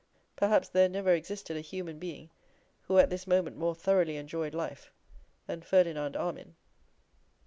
Perhaps there never existed a human being who at this moment more thoroughly enjoyed life than Ferdinand Armine.